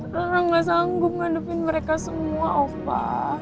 rana gak sanggup ngadepin mereka semua opa